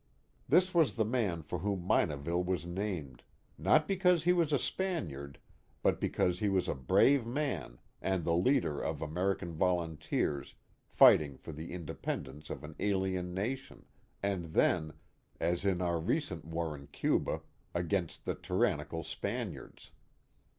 This was the man for whom Minaville was named, not be cause he was a Spaniard, but because he was a brave man and the leader of American Volunteers fighting for the inde pendence of an alien nation, and then, as in our recent war in Cuba, against the tyrannical Spaniards.